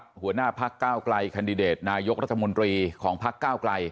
เบิร์นรัฐหัวหน้าภาคก้าวไกลคันดิเดตนายกรัฐมนตรีของภาคก้าวไกล